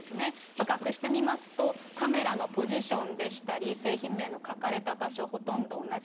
比較してみますと、カメラのポジションでしたり、製品名の書かれた場所、ほとんど同じ。